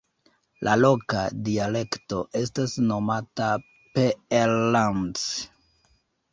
La loka dialekto estas nomata Peellands.